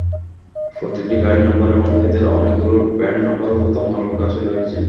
প্রতিটি গাড়ির নম্বর এবং এদের অনেকগুলোর ব্র্যান্ড নম্বরও প্রথম আলোর কাছে রয়েছে।